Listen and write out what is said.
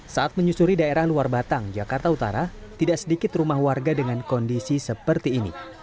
saat menyusuri daerah luar batang jakarta utara tidak sedikit rumah warga dengan kondisi seperti ini